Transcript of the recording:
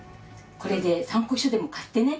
これで参考書でも買ってね。